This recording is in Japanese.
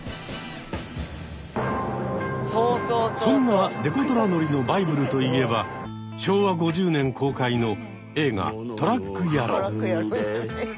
そんなデコトラ乗りのバイブルといえば昭和５０年公開の映画「トラック野郎」。